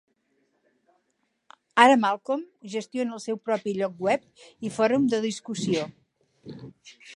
Ara Malcolm gestiona el seu propi lloc web i fòrum de discussió.